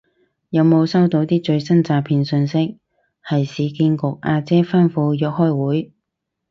有冇收到啲最新詐騙訊息係市建局阿姐吩咐約開會